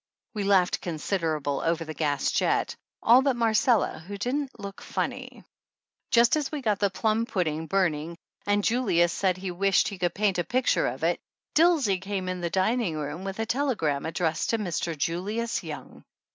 We laughed considerable over the gas jet, all but Marcella, who didn't look funny. Just as we got the plum pudding burning and Julius had said he wished he could paint a pic ture of it Dilsey came into the dining room with a telegram addressed to Mr. Julius Young.